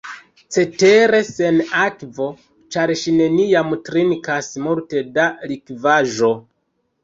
Cetere sen akvo, ĉar ŝi neniam trinkas multe da likvaĵo.